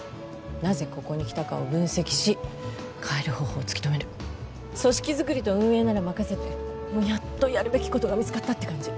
なぜここに来たかを分析し帰る方法を突き止める組織作りと運営なら任せてやっとやるべきことが見つかったって感じ